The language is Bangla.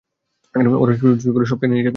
ওরা সুড়ুত সুড়ুত করে সব টেনে নিচ্ছে?